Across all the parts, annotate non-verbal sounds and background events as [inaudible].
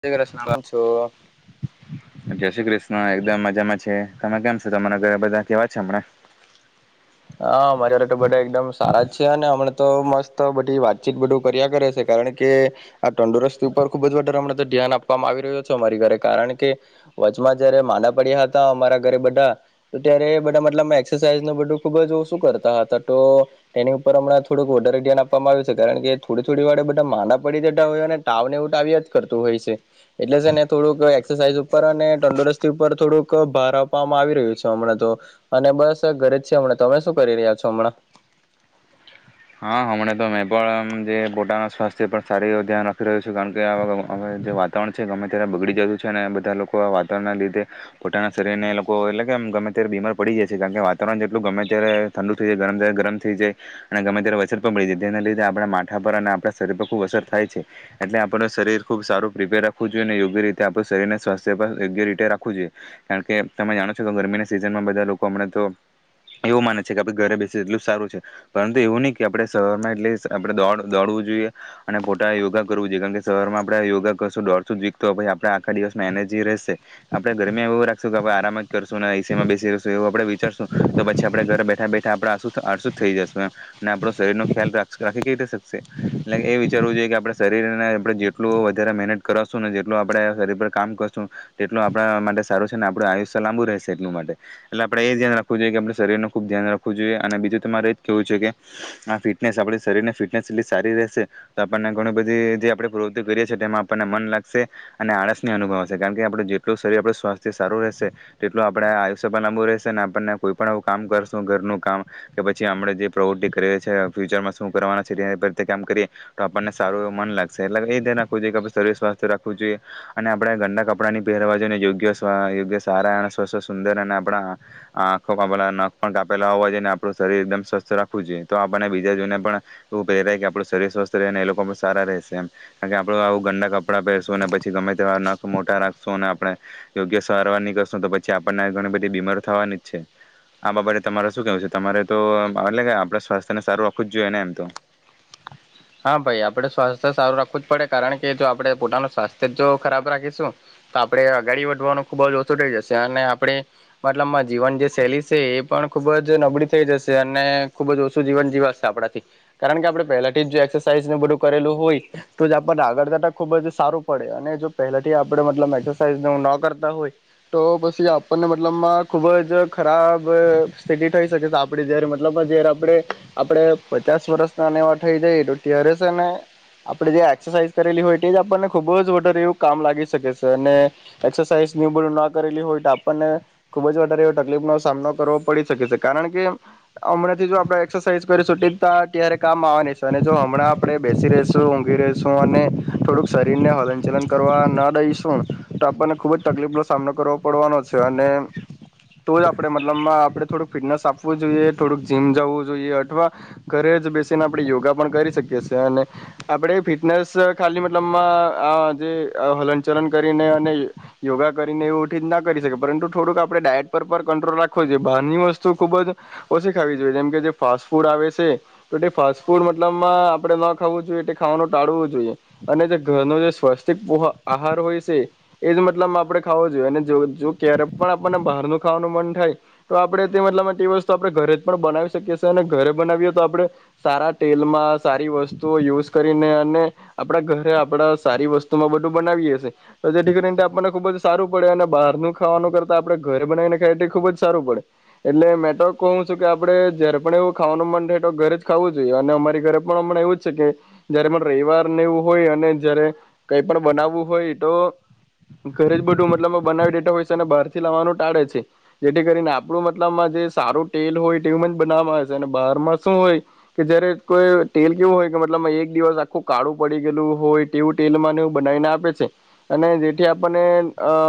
જયશ્રી કૃષ્ણ કેમ છો હા એકદમ મજામાં છે તમે કેમ છો તમારા ઘરે બધા કેવા છે હમણાં અ. મારા ધરે એકદમ સારા છે અને હમણા તો મસ્ત બધી વાતચીત બધું કર્યા કરે છે કારણ કે આ તંદુરસ્તી ઉપર ખુબ જ વધારેમ ધ્યાન આપવામાં આવી રહ્યો છે અમારી ઘરે કારણ કે વચમાં જયારે માદા પડ્યા હતા અમારા ઘરે બધા તો ત્યારે બધા મતલબ એક્સરસાઇઝ ન બું ખુબ જ ઓ શું કરતા હતા તો ટ્રેનિંગ ઉપર હમણાં થોડુંક વધારે ધ્યાન આપવામાં આવ્યું છે કારણ કે થોડી થોડી વાડે બધા માદા પડી જતા હોય અને તાવ ને તાવ આવ્યા જ કરતું હોય છે એટલેને થોડુંક એક્સરસાઇઝ ઉપર અને તંદુરસ્તી ઉપર થોડુંક ભાર આપવામાં આવી રહ્યું છે હમણાં તો અને બસ ઘરે હમણા તમે શું કરી રહ્યા છો હમણાં હા હમણાં તો મેં પણ જે પોતાના સ્વાસ્થ્ય પર સારી ધ્યાન રાખી રહ્યો છું કારણ કે જે વાતાવરણ છે ગમે ત્યારે બગડી જતું છે અને બધા લોકો આ વાતાવરણના લીધે પોતાના શરીરને એ લોકો એટલે કેમ ગમે ત્યારે બીમાર પડી જાય છે કારણ કે વાતાવરણ જેટલું ગમે ત્યારે ઠંડુ થઈ જાય ગરમ ત્યારે ગરમ થઈ જાય અને ગમે વન પણ મળીાય જેના લીે આપણા માઠા પર અને આપણા શરીર પર ખુબ અસર થાય છે એટલે આપણ શરીર ખુબ સારું પ્રિપેર રાખવું જોઈએ અને યોગ્ય રીતે આપણું શરીરને સ્વાસ્થ્ય પર યોગ્ય રીતે રાખવું જોઈએ કારણ કે તમે જાણો છો કે ગરમીના સિઝનમાં બધા લોકો અમને તો એવું માને છે કે આપણે ઘરે બેસી એટલ જ સારું છે પરંતુ એવું નહીિ કે આપણે શહેરમાં એટલી આપણેડ દોડવું જોઈએ અને પોતા યોગા કરવું જોઈએ કારણ કે શરમાં આપડણે યોગા કરશું દોડશું જ વીકતો આપણે આખા દિવસમાં એનર્જી રહેશે આપણેે ગરમમાં એવું રાખશું કે આપણે આરામ જ કરશું ને એસીમાં બેસી રહેશું એવું આપણે વિચારશું તો પછી આપણે ઘરે બેઠા બેઠા આપણે આું આું જ થઈ જશુંમ ને આપણો શરીરનો ખ્યાલ રા રાખી ક શકશે એટલે કે એ વિચારવું જોઈએ કે આપણે શરીરને આપણે જેટલું વધારે મહેનત કરાવશું ને જેટલું આપણે શરીર પર કામ કરશું તેટલું આપણા માટે સારું છે ને આપણું આયુષ્ય લાંબુ રહેશે એટલું માટે એટલે આપણે એ ધ્યાન રાખવું જોઈએ કે આપણે શરીરનું ખૂબ ધ્યાન રાખવું જોઈએ અને બીજું તમારે એ જ કહેવું છે કે આ ફિટનેસ આપ શરીરની ફિટનેસ જેટલી સારી રહેશે તો આપણને ઘણી બધી જે આપણે પ્રવૃત્તિ કરીએ છીએ તેમાં આપણને મન લાગશે અને આળસને અનુભવ આવશે કારણ કે આપ જેટલું શરીર આપું સ્વાસ્થ્ય સારું રહેશે તેટલું આપણે આયુષ્ય પર લાંબુ રહેશે અને આપણને કોઈ પણ કામ કરશું ઘરનું કામ કે પછી આપણે જે પ્રવૃતિ ફ્યુચરમાં શું કરવાના છે કામ કરીએ તો આપણને સારું એવું મન લાગશે એટલે એ ધ્યાન રાખવું જોઈએ કે આપ શરીર સ્વસ્થ રાખવું જોઈએ અને આપણેે ગંડા કપડા ની પહેરવા જોઈએને યોગ્ય યોગ્ય સારા અને સ્વસ્થ સુંદર અને આપણા આંખો કાપેલા નખ પણ કાપેલા હોવા જોઈએને આપણું શરીર એકદમ સ્વસ્થ રા બીજા જોઈને પણ એવું પ્રેરાય કે આપડું શરીર સ્વસ્થ રહેને એ લોકો પણ સારા રહેશે એમ કારણ કે આપડું આવું ગડા કપડાં પહેરશું પછી ગમે તેવા નખ મોટા રાખશું અને આપણે યોગ્ય સારવાર નીકળશું તો પછી આપણને ઘણી બધી બીમાર થવાની જ છે આ બાબતે તમારે શું કેવું છે તમારે તો એટ આપણા સ્વાસ્થ્ય ને સારું રાખવું જ જોઈએ ને એમ તો હા ભાઈ આપડ સ્વાસ્થ્ય સારું રાખવું જ પડે કારણ કે જો આપણેે પોતાનું સ્વાસ્થ્ય જો ખરાબ રાખીશું તો આપણે આગાડી વધવાનું ખુબ જ ઓછું થઈ જશે અને આપણે મતલબમાં જીવન જે સૈલી છે એ પણ ખુબ જ નબળી થઈ જશે અને ખુબ જ ઓછું જીવન જીવાશે આપણાથી કારણ કે આપણે પહેલાથી જ જો એક્રસાઇઝ બધું કરેલું હોય તો જ આપણને આગળતાતા ખૂબ જ સારું પડે અને જો પહેલાથી આપણે મતલબ એસરસાઇઝ ન ન કરતા હોય તો પછી આપણને મતલબમાં ખૂબ જ ખરાબ સ્થિતિ થઈ શકે છે આપણે જ્યારે મતલબ જારે આપણે આપણે પચાસ વર્ષના એવા થઈ જઈએ તો ત્યારે છે ને આપણે જે એક્સરસાઇઝ કરેલી હોય તે જ આપણને ખુબ જ વધારે એવું કામ લાગી શકે છે અને એક્સરસાઇઝ ન બ ના કરેલી હોય તો આપણને ખુબ જ વધારે એવ તકલીફ નો સામનો કરવો પડી શકે છે કારણ કે હમણાંથી જો આપડણે એક્સરસાઇઝ કરીશું ત્યારે કામ આવવાની છે અને જો હમણાં આપડણે બેસી રશું ઊંઘી રશું અને થોડુંક શરીર ને હલનચલન કરવા ન રઈશું તો આપણને ખુબ જ તકલીફ નો સામનો કરવો પડવાનો છે અને તો જ આપણે મતલબમાં આપણે થોડુંક ફિટનેસ આપવું જોઈએ થોડુંક જીમ જવું જોઈએ અથવા ઘરે જ બેસીને આપણે યોગા કરી શકી અને આપણે ફિટનેસ ખાલી મતલબમાં આ જે હલન ચલન કરીને અને યોગા કરીને એવુંી જ ના કરી શકી પરંતુ થોડુંક આપણે ડાયટ પર પર કંટ્રોલ રાખવો જોઈએ બહારની વસ્તુ ખુબ જ ઓછી ખાવી જોઈએ જેમકે જે ફાસ્ટ ફૂડ આવે છે તો તે ફાસ્ટ ફૂડ મતલબમાં આપણે ન ખાવું જોઈએ તે ખાવાનું ટાળવું જોઈએ અને જે ઘરનો જે સ્વસ્તિકહ આહાર હોય છે એ જ મતલબમાં આપણે ખાવો જોઈએ અને જો જો ક્યારેય પણ આપણને બહારનું ખાવાનું મન થાય તો આપણે તે મતલબમાં તે વસ્તુ આપણે ઘરે જ પણ બનાવી શકીએ છીએ અને ઘરે બનાવીએ તો આપણે સારા તેલમાં સારી વસ્તુઓ યુઝ કરીને અને આપણા ઘરે આપણા સારી વસ્તુમાં બધું બનાવીએશે તો જેથીી કરીને આપણને ખુબ જ સારું પડે અને બહારનું ખાવાનું કરતા આપણે ઘર બનાવીને ખાયએ ખૂબ જ સારું પડે એટલે મેં તો કહું છું કે આપડે જય પણ એવું ખાવાનું મન રહે તો ઘરે જ ખાવું અને અમારી ઘરે પણ હમણાં એવું જ છે કે જયારે પણ રવવાર વું હોય અને જયારે કઈ પણ બનાવવું હોય તો ઘરે જ બધું મતલબમાં બનાવી દેઠા હોય છે અને બહાર થી લાવવાનું ટાળે છે જેથી કરીને આપણું મતલબમાં જે સારું તેલ હોય તેવું જ બનાવવામાં આવે છે અને બહારમાં શું હોય [inaudible] કે જયારે કોઈ તેલ કેવું હોય કે મતલબ એક દિવસ આખું કાળું પડી ગયેલું હોય તેવું તેલ મને બનાવીને આપે છે અને જેથી આપણને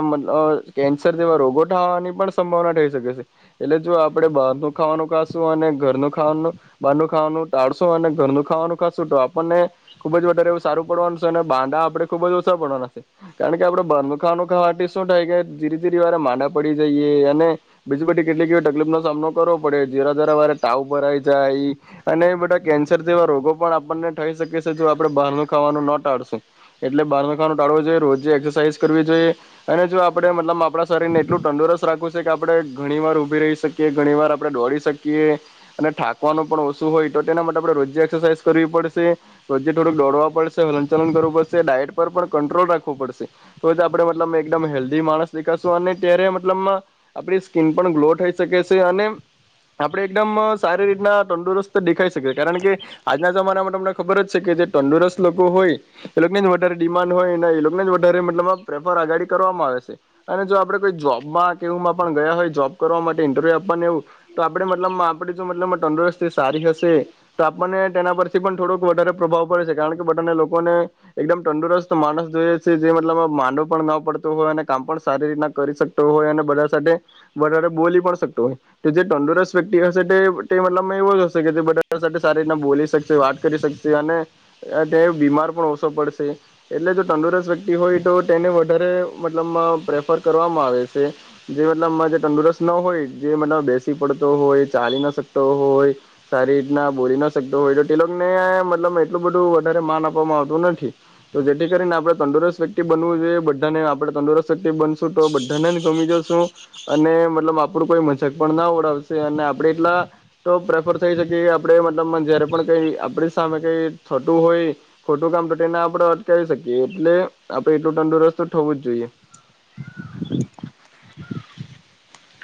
મતલ કેન્સર જેવા રોગો વાની પણ સંભાવના થઈ શકે છે એટલે જો આપણે બહારનું ખાવાનું ખાશું અને ઘરનું ખાવાનું બહારનું ટાશ અને ઘરનું ખાવાનું ખાશું તો આપણને ખુબ જ વધારેવું સારું પડવાનું છે અને બાંદડા આપડણે ખુબ જ ઓછા પડવાના છે કારણ કે આપણેે બારનું ખાવાનું ખાવાથી શું થાય કે જીરે ધીરી વારે માંડા પડી જઈએ અને બીજીું બધી કેટલીક એવી તકલીફ નો સામનો કરવો પડે જીરા જરા વારે તાવ ભરાઈ જાય અને એ બધા કેન્સર જેવા રોગો પણ આપણને થઈ શકે છે જો આપણે બહારનું ખાવાનું ન ટાળશું એટલે બહારનું ખાવાનું ટાળવું જોઈએ રોજે એક્સરસાઇઝ કરવી જોઈએ અને જો આપણે મતલબ આપણા શરીરને એટલું તંદુરસ્ત રાખવું છે કે આપણે ઘણીવાર ઊભી રહી શકીએ ઘણીવાર આપણે દોળડી શકીએ અને થાંકવાનું પણ ઓ હોય તો તેના માટે આપણે રોજે એક્સરસાઇઝ કરવી પડશે રોજે થોડુંક દોડવા પડશે હલનચલન કરવું પડશે ડાયટ પર પણ કંટ્રોલ રાખવો પડશે તો જ આપણે મતલબ એકદમ હેલ્ધી માણસ દેખાશું અને ત્યારે મતલબ આપણી સ્કીિન પણ ગ્લો થઈ શકે છે અને આપણે એકદમ સારી રીતના તંદુરસ્ત તો દેખાઈ શકે કારણ કે આજના જમાનામાં તમને ખબર જ છે કે જે તંદુરસ્ત લોકો હોય એ લોકોને જ વધારે ડિમાન્ડ હોય ને એ લોકોને જ વધારે મતલબ પ્રેફર આગાડી કરવામાં આવે છે અને જો આપડે કોઈ જોબમાં માં પણ ગયા હોય જોબ કરવા માટે ઇન્ટરવ્યુ આપવાને એવું તો આપણે મતલબ આપ મતલબ તંદુરસ્ત સારી હશે તો આપણને તેના પરથી પણ થોડોક વધારે પ્રભાવ પડે છે કારણ કે બાને લોકોને એકદમ તંદુરસ્ત માણસ જોઈએ છે જે મતલબ માંડો પણ ન પડતો હોય અને કામ પણ સારી રીતના કરી શકતો હોય અને બધા સાથે વધારે બોલી પણ શકતો હોય તો જે તંદુરસ્ત વ્યક્તિ હશે તે તે મતલબ એવો જ હશે બા સારી રીતના બોલી શકશે વાત કરી શકશે અને તે બીમાર પણ ઓછો પડશે એટલે જો તંદુરસ્ત વ્યક્તિ હોય તો તેને વધારે મતલબ પ્રેફર કરવામાં આવે છે જે મતલબ જે તંદુરસ્ત ન હોય જે મતલબ બેસી પડતો હોય ચાલી ન શકતો હોય સારી રીતના બોલી ના શકતો હોય તો ટિલકને મતલબ એટલું બધું વધારે માન આપવામાં આવતું નથી તો જેથી કરીને આપણે તંદુરસ્ત વ્યક્તિ બનવું જોઈએ બધાને આપણે તંદુરસ્ત બનશો તો બધાને ગમી જ અને મતલબ આપડું કોઈ મજક પણ ના ઓડાવશે અને આપડે એટલા તો પ્રેફર કઈ શકીએ આપણે મતલબ જયારે પણ કઈ આપણી સામે કઈ થતું હોય ખોટું કામ તો તેને આપણે અટકાવી શકીએ એટલે આપડણે એટલું તંદુરસ્ત થવું જ જોઈએ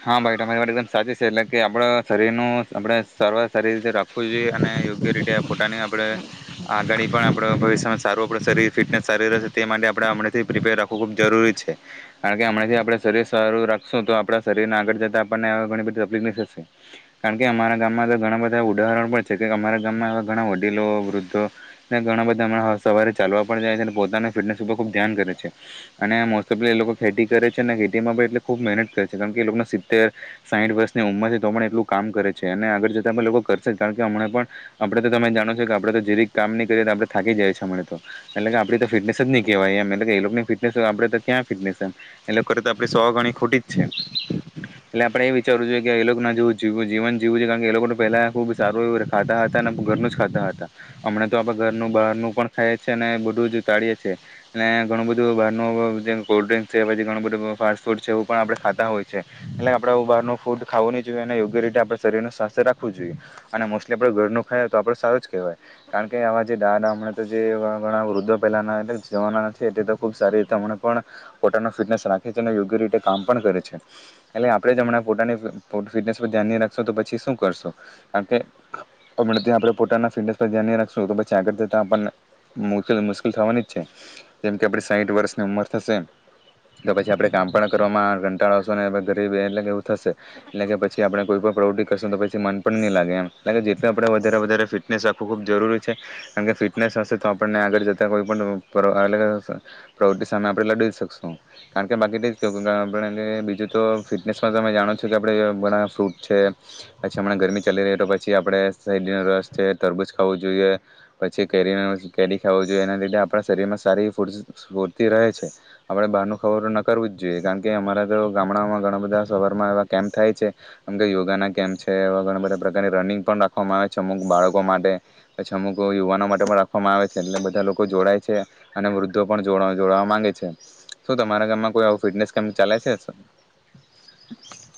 હા ભાઈ તમારી વા એકદમ સાચી છે એટલે કે આપડ શરીરનું આપડણે સવ સારી રીતે રાખવું જોઈએ અને રીતે પોતાની આપડે આગળ પણ આપડ ભવિષ્યમાં સારું આપણે શરીર ફિટનેસ સારી રહેશે તે માટે આપણે હમણાંથી પ્રિપેર રાખવું ખૂબ જરૂરી છે કારણ કે હમણાંથી આપણે શરીર સારું રાખશું તો આપણા શરીરને આગળ જતાં આપણને હ ઘણી બધી તકલીફ થશે કારણ કે અમારા ગામમાં ઘણા બધા ઉદાહરણ પણ છે કે અમારા ગામમાં એવા ઘણા વડીલો વૃદ્ધો ને ઘણા બધા હમણાં સવારે ચાલવા પણ જાય છે અને પોતાના ફિટનેસ ઉપર ખૂબ ધ્યાન કરે છે અને મોસ્ટ ઓફલી એ લોકો ખેતી કરે છે અને ખેતીમાં પણ એટલે ખૂબ મહેનત કરે છે કારણ કે એ લોકોને સિત્તેર સાહીઠ વર્ષની ઉંમર છે તો પણ એટલું કામ કરે છે અને આગળ જતાં પણ લોકો કરશે જ કારણ કે હમણાં પણ આપણે તો તમે જાણો છો કે આપણે તો જેરીક કામ નહીં કરીએ તો આપણે થાકી જાય છે અમણા તો એટલે કે આપણી તો ફિટનેસ જ નહીં કહેવાય એમ એટલે કે એ લોકોની ફિટનેસ આપણે તો ક્યાં ફિટનેસ એમ એટલે કરે તો આપણી સોગણી ખોટી એટલે આપણે એ વિચારવું જોઈએ કે એ લોકો ના જ જીવન જીવું છેએ કારણ કે એ લોકો પેલા ખુબ સારું એવ ખાતા હતા અને ઘરનું જ ખાતા હતા હમણા તો આપ ઘરનું બહારનું પણ ખાઈએ છીએ અને બધું જ તાળીએ છીએ અને ઘણું બધું બહારનું કોલ્ડ ડ્રિં છે પછ ઘણું બધું ફાસ્ટ ફૂડ છે પણ આપણે ખાતા હોય છે એટલે આપણેું બહારનું ફૂડ ખાવું ન જોઈએ અને યોગ્ય રીતે આપણે શરીર ન સ્વાસ્થ્ય રાખવું જોઈએ અને મોસ્ટલી આપડ ઘરનું ખાયએ તો આપડે સારું જ કહેવાય કારણ કે આવા જે ડાળ તો જે ઘણા વૃદ્ધો પહેલાના જવાના એ ખૂબ સારી રીતેમ પણ પોતાનો ફિટનેસ રાખે છે અને યોગ્ય રીતે કામ પણ કરે છે એટલે આપણેે જ હમણાં પોતાની ફિટનેસ પર ધ્યાન રાખશું તો પછી શું કરશું કારણ કે આપણે પોતાના ફિટનેસ પર ધ્યાન રાખશું તો પછી આગળ જતા મુશ્કેલ થવાની જ છે જેમ કે આપડી સાહીઠ વર્ષની ઉંમર થશે તો પછી આપણેે કામ પણ વામાં કંટાળ આવશો ને ગરીબ એટલે કે એવું થશે એટલે કે પછી આપડ કોઈ પણ પ્રવઢ કરશ પછી મન પણ નં લાગે એમ એટલે કે જેટલ આપણે વધારે વધારે ફિટનેસ રાખવું ખૂબ જરૂરી છે કારણ કે ફિટનેસ હશે તો આપણને આગળ જતાં કોઈપણ પ્ર અલગ પ્રવૃત્તિ સામે આપણે લડીડી શકશું કારણ કે બાકી કે આપણે બીજું તો ફિટનેસમાં તમે જાણો છો કે આપણે ઘણા ફ્રૂટ છે પછી હમણાં ગરમી ચાલી રહી તો પછી આપણે સહેડીનો રસ છે તરબૂજ ખાવું જોઈએ પછી કેરીનો કેરી ખાવું જોઈએ એના લીધે આપણા શરીરમાં સારી ફૂડ્સ ફ રહે છે આપડ બનું નગર ઉ જોઈએ કારણ કે અમારા તો ગામડામાં ઘણા બધા સવારમાં એવા કેમ્પ થાય છે કેમ કે યોગાના કેમ્પ છે એવા ઘણા બધા પ્રકારની રનિંગ પણ રાખ સ આવે છે અમુક બાળકો માટે પછી અમુક યુવાનો માટે પણ રાખવામાં આવે છે એટલે બધા લોકો જોડાય છે અને વૃદ્ધો પણ જોડાવા માંગે છે શ તમારા ગામમાં કોઈ ફિટનેસ કેમ ચાલે છે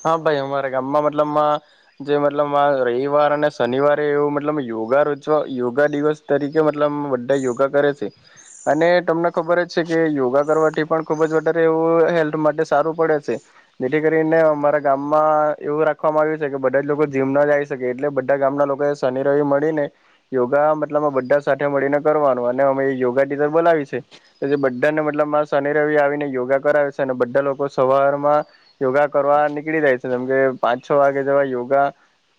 હા ભાઈ અમારા ગામમાં મતલબ જે મતલબ આ રવિવાર અને શનિવારે એવું મતલબ યોગા રજવા યોગા દિવસ તરીકે મતલબ બધા યોગા કરે છે અને તમને ખબર જ છે કે યોગા કરવાથી પણ ખુબ જ વધારે એવું હેલ્થ માટે સારું પડે છે જેથી કરીને અ ગામમાં એવું રાખવામાં આવ્યું છે કે બધા જ લોકો જીમ ના જાય શકે એટલે બધા ગામના લોકો એ શનિ રવિ મળીને યોગા મતલબ બધા સાથે મળીને કરવાનું અને અમે યોગા ટીચર બોલાવી છે જે બધાને મતલબ આ શનિ રવિ આવીને યોગા કરાવે છે અને બધા લોકો સવાર માં યોગા કરવા પાંચ છ વાગે જેવા યોગા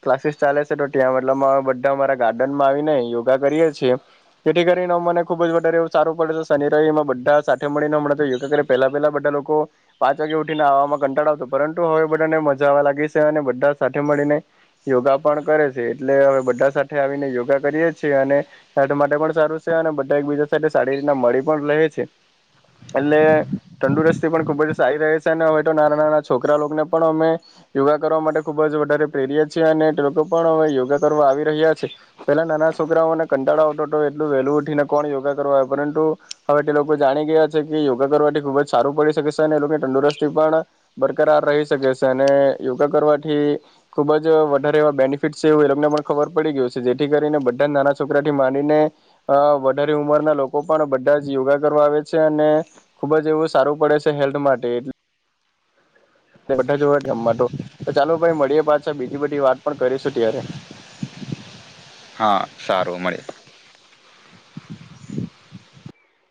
ક્લાસીસ ચાલે છે તો ત્યાં મતલ અ બધા અરા ગાર્ડન માં આવીને યોગા કરીએ છી જેથી કરીને મને ખુબ જ વધારે એવું સારું પડે છે શનિ રમાં બધા સાથે મળીને હણા યોગા કરી પેલા પેલા બધા લોકો પાંચ વાગે ઉઠીને આવામાં કંટાળ આવતો પરંતુ હવે ા મજાવા લાગી છે અને બધા સાથે મળીને યોગા પણ કરે છે એટલે હવે બધા સાથે આવીને યોગા કરીએ છેીએ અને સાથે માટે પણ સારું છે અને બધા એકબીજા સાથે સારી રીતના મળી પણ રહે છે એટલે તંદુરસ્તી પણ ખુબ જ સારી રહે છે અને હવે તો નાના નાના છોકરા લોકોને પણ અમે યોગા કરવા માટે ખુબ જ વધારે પ્રેર છીએ અને તે લોકો પણ અ યોગા કરવા આવી રહ્યા છે પેલા નાના છોકરાઓને કંટાળાઓોટ એટલું વહેલું ઉઠીને કોણ યોગા કરવા આવે પરંતુ હવે તે લોકો જાણી ગયા છે કે યોગા કરવાથી ખુબ જ સારું પડી શકે છે અને એ લોકોની તંદુરસ્તી પણ બરકરાર રહી શકે છે અને યોગા કરવાથી ખુબ જ વધારે એવા બેનિફિટ છે એવું એ લોકોમને પણ ખબર પડી ગયું છે જેથી કરીને બધા નાના છોકરા થી માનીને અ વધારે ઉંમરના લોકો પણ બધા જ યોગા કરવા આવે છે અને ખુબ જ એવું સારું પડે છે હેલ્થ માટે બા જોવા જમવાડ તો ચાલો ભાઈ મળીએ પાતછા બીજી બધી વાત પણ કરીશું ત્યારે હા સારું મળે [inaudible]